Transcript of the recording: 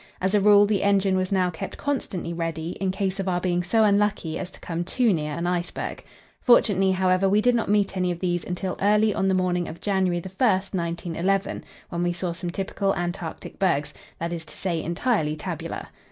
As a rule, the engine was now kept constantly ready, in case of our being so unlucky as to come too near an iceberg. Fortunately, however, we did not meet any of these until early on the morning of January 1, 1911, when we saw some typical Antarctic bergs; that is to say, entirely tabular.